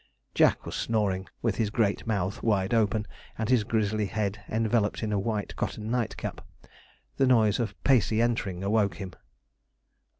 Jack was snoring, with his great mouth wide open, and his grizzly head enveloped in a white cotton nightcap. The noise of Pacey entering awoke him.